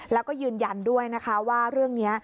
แล้วก็ยืนยันด้วยนะคะว่าเรื่องนี้